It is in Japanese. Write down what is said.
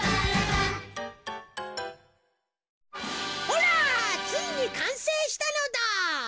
ほらついにかんせいしたのだ！